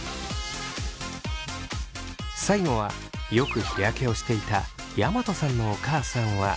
最後はよく日焼けをしていた山戸さんのお母さんは。